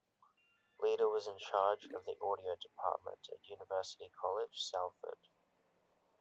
Leader was in charge of the Audio Department at University College Salford.